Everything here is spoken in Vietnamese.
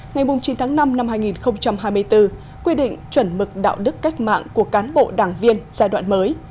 ngày chín tháng năm năm hai nghìn hai mươi bốn quy định chuẩn mực đạo đức cách mạng của cán bộ đảng viên giai đoạn mới